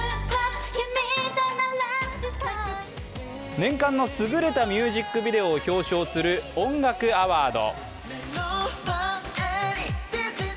年間の優れたミュージックビデオを表彰する音楽アワード。